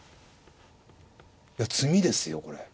いや詰みですよこれ。